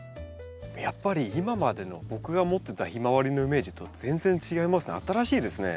やっぱり今までの僕が持ってたヒマワリのイメージと全然違いますね。